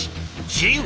自由。